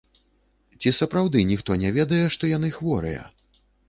Ці сапраўды ніхто не ведае, што яны хворыя?